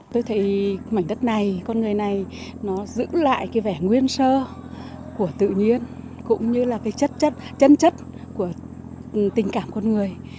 tôi thấy mảnh đất này con người này nó giữ lại cái vẻ nguyên sơ của tự nhiên cũng như là cái chất chân chất của tình cảm con người